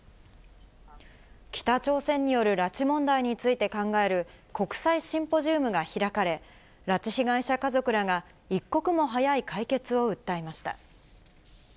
北朝鮮による拉致問題について考える国際シンポジウムが開かれ、拉致被害者家族らが一刻も早い解決を訴えました。